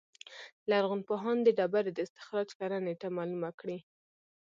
لرغونپوهان د ډبرې د استخراج کره نېټه معلومه کړي.